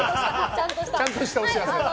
ちゃんとしたお知らせが。